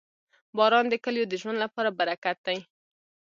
• باران د کلیو د ژوند لپاره برکت دی.